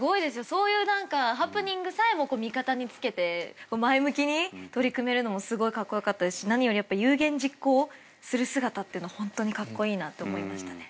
そういうハプニングさえも味方につけて前向きに取り組めるのもすごいカッコ良かったですし何よりやっぱ有言実行する姿っていうのはホントにカッコイイなって思いましたね。